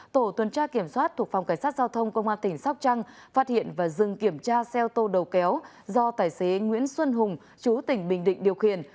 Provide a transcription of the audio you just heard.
tổ tuần tra kiểm soát thuộc phòng cảnh sát giao thông công an tỉnh sóc trăng phát hiện và dừng kiểm tra xe ô tô đầu kéo do tài xế nguyễn xuân hùng chú tỉnh bình định điều khiển